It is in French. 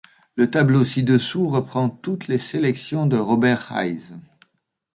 Le tableau ci-dessous reprend toutes les sélections de Robert Heyse.